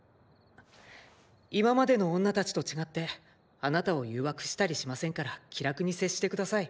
今までの女たちと違ってあなたを誘惑したりしませんから気楽に接して下さい。